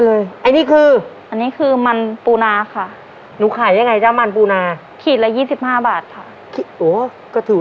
ให้เขาเคยกินอยู่